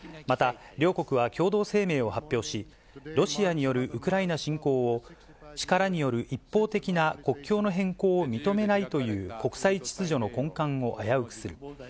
また、両国は共同声明を発表し、ロシアによるウクライナ侵攻を、力による一方的な国境の変更を認めないという国際秩序の根幹を危うくする。